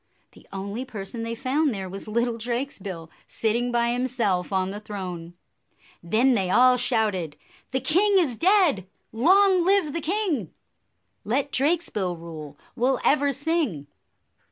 The only person they found there was little Drakesbill, sitting by him self on the throne. Then they all shouted, "The king is dead! Long live the king! Let Drakesbill rule, we 'll ever sing."